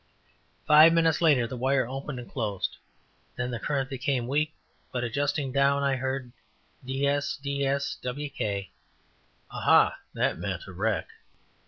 Five minutes later the wire opened and closed. Then the current became weak, but adjusting down, I heard, "DS, DS, WK." Ah! that meant a wreck.